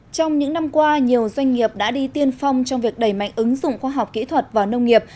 trong những năm qua nhiều doanh nghiệp đã đi tiên phong trong việc đẩy mạnh ứng dụng khoa học kỹ thuật vào nông nghiệp